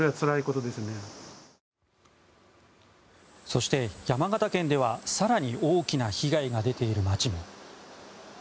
そして、山形県では更に大きな被害が出ている町も。